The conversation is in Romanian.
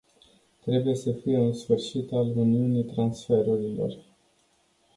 Trebuie să fie un sfârșit al uniunii transferurilor.